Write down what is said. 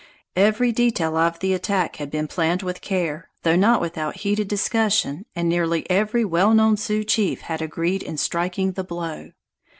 Every detail of the attack had been planned with care, though not without heated discussion, and nearly every well known Sioux chief had agreed in striking the blow.